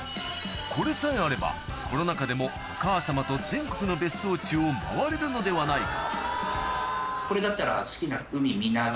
これさえあればコロナ禍でもお母様と全国の別荘地を回れるのではないかこれだったら。